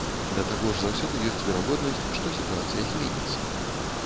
Да таго ж заўсёды ёсць верагоднасць, што сітуацыя зменіцца.